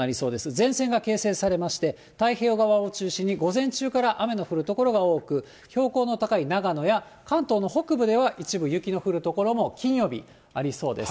前線が形成されまして、太平洋側を中心に午前中から雨の降る所が多く、標高の高い長野や関東の北部では、一部雪の降る所も金曜日、ありそうです。